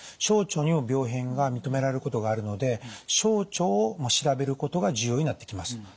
小腸にも病変が認められることがあるので小腸を調べることが重要になってきます。